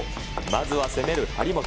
まずは攻める張本。